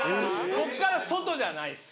こっから外じゃないです